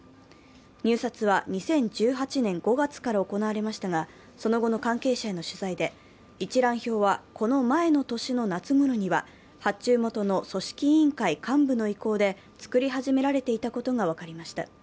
入札は２０１８年５月から行われましたがその後の関係者への取材で、一覧表はこの前の年の夏ごろには発注元の組織委員会幹部の意向で作り始められていたことが分かりました。